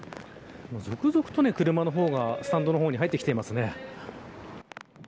続々と車の方がスタンドの方に入ってきていますね。